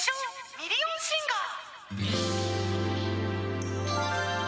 ミリオンシンガー